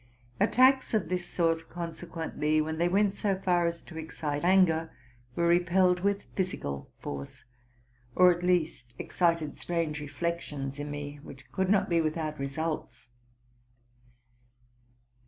Attacks RELATING TO MY LIFE. 5T of this sort consequently, when they went so far as to excite anger, were repelled with physical force, or at least excited strange reflections in me which could not be without results.